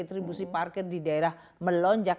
kontribusi parkir di daerah melonjak